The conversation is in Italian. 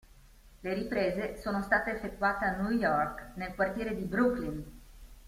Le riprese sono state effettuate a New York, nel quartiere di Brooklyn.